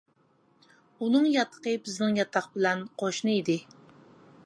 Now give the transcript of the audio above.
ئۇنىڭ ياتىقى بىزنىڭ ياتاق بىلەن قوشنا ئىدى.